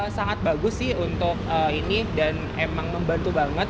sangat bagus sih untuk ini dan emang membantu banget